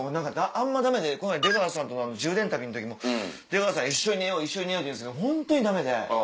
あんまダメでこの前出川さんと充電旅の時も出川さん「一緒に寝よう」って言うんですけどホントにダメで。